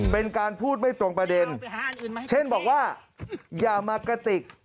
เป็นการพูดไม่ตรงประเด็นเช่นบอกว่าอย่ามากระติก